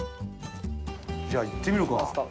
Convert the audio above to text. じゃあいってみるか。